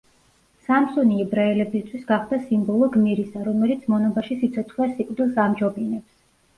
სამსონი ებრაელებისთვის გახდა სიმბოლო გმირისა, რომელიც მონობაში სიცოცხლეს სიკვდილს ამჯობინებს.